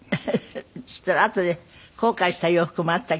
そしたらあとで後悔した洋服もあったけど。